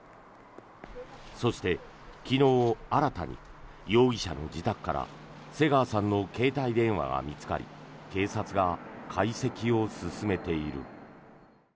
そして、昨日新たに容疑者の自宅から瀬川さんの携帯電話が見つかり警察が解析を進めている。